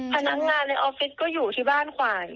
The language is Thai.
พนักงานในออฟฟิศก็อยู่ที่บ้านขวาย